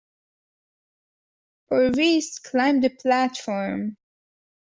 Purvis climbed the platform.